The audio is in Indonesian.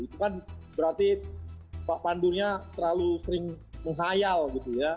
itu kan berarti pak pandunya terlalu sering menghayal gitu ya